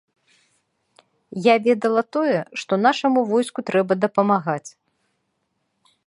Я ведала тое, што нашаму войску трэба дапамагаць.